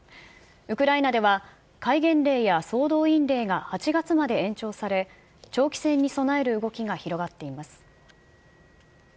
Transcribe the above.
ウクライナでは、戒厳令や総動員令が８月まで延長され、長期戦に備える動きが広がっています。